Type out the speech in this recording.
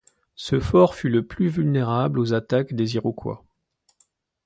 Ce fort fut le plus vulnérable aux attaques des Iroquois.